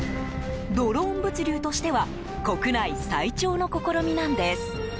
ドローン物流としては国内最長の試みなんです。